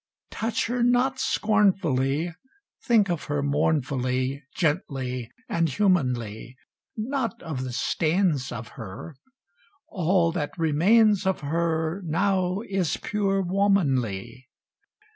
Touch her not scornfully; Think of her mournfully, Gently and humanly; Not of the stains of her, All that remains of her Now is pure womanly.